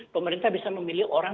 pemerintah bisa memilih orang